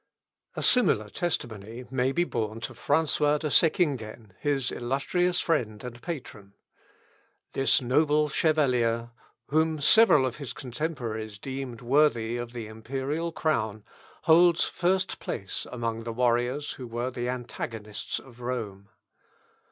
A similar testimony may be borne to François de Seckingen, his illustrious friend and patron. This noble chevalier, whom several of his contemporaries deemed worthy of the imperial crown, holds first place among the warriors who were the antagonists of Rome.